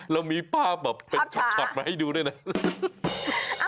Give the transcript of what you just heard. เรามีภาพเป็นชัดมาให้ดูด้วยนะ